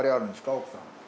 奥さん。